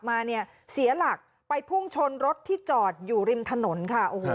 มาเนี่ยเสียหลักไปพุ่งชนรถที่จอดอยู่ริมถนนค่ะโอ้โห